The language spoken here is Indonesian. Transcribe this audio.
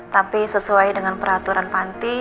tapi sesuai dengan peraturan panti